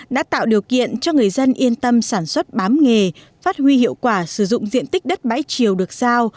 đã tạo điều kiện cho người dân yên tâm sản xuất bám nghề phát huy hiệu quả sử dụng diện tích đất bãi chiều được giao